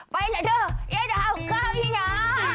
ไปเลยเด้อเอ๊ดาวเข้าที่น้ำ